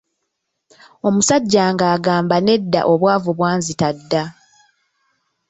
Omusajja ng’agamba nedda obwavu bwanzita dda.